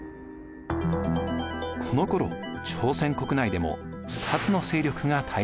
このころ朝鮮国内でも２つの勢力が対立していました。